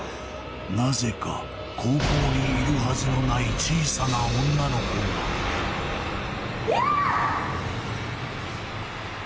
なぜか高校にいるはずのない小さな女の子がいや！